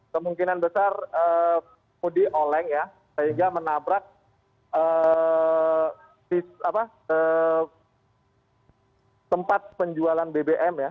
kemungkinan besar mudi oleng ya sehingga menabrak tempat penjualan bbm ya